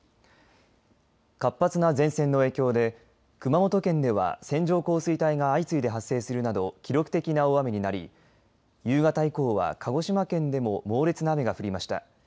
活発な前線の影響で熊本県では線状降水帯が相次いで発生するなど記録的な大雨になり夕方以降は鹿児島県でも猛烈な雨が降りました。